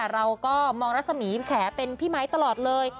เราก็มองลัสสมีอิมแขเป็นพี่ไมค์ตลอดเลย